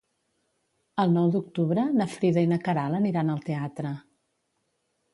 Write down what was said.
El nou d'octubre na Frida i na Queralt aniran al teatre.